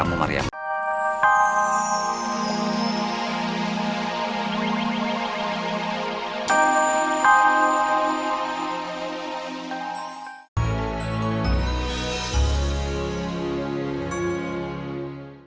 bersama kamu mari amah